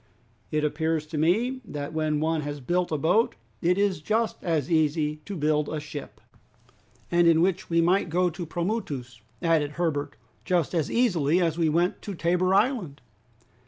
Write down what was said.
It appears to me, that when one has built a boat it is just as easy to build a ship!" "And in which we might go to the Pomoutous," added Herbert, "just as easily as we went to Tabor Island."